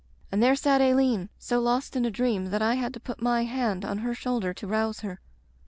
And there sat Aileen — so lost in a dream that I had to put my hand on her shoulder to rouse her.